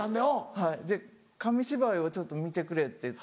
はいで紙芝居を見てくれって言って。